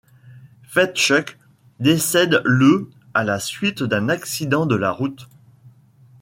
Fedchuk décède le à la suite d'un accident de la route.